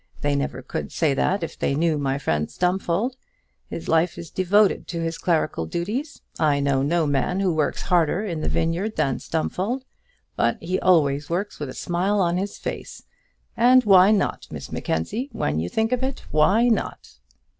They never could say that if they knew my friend Stumfold. His life is devoted to his clerical duties. I know no man who works harder in the vineyard than Stumfold. But he always works with a smile on his face. And why not, Miss Mackenzie? when you think of it, why not?"